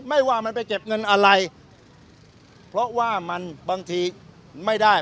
ว่ามันไปเก็บเงินอะไรเพราะว่ามันบางทีไม่ได้